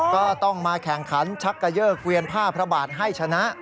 ก็ต้องมาแข่งขันชักกะเยิกเกวียนผ้าพระบาทให้ชนะ